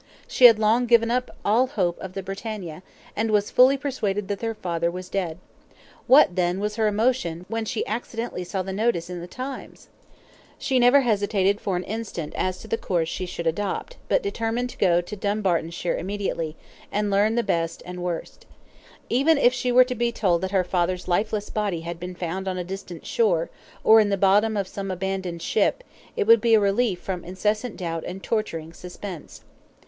She had long given up all hope of the BRITANNIA, and was fully persuaded that her father was dead. What, then, was her emotion when she accidentally saw the notice in the TIMES! She never hesitated for an instant as to the course she should adopt, but determined to go to Dumbartonshire immediately, to learn the best and worst. Even if she were to be told that her father's lifeless body had been found on a distant shore, or in the bottom of some abandoned ship, it would be a relief from incessant doubt and torturing suspense.